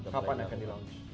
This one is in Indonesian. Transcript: kapan akan dilakukan